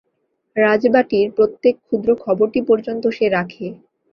রাজবাটীর প্রত্যেক ক্ষুদ্র খবরটি পর্যন্ত সে রাখে।